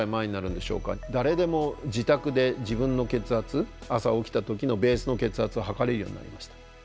誰でも自宅で自分の血圧朝起きた時のベースの血圧を測れるようになりました。